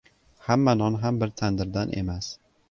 • Hamma non ham bir tandirdan emas.